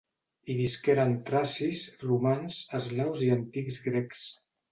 Hi visqueren tracis, romans, eslaus i antics grecs.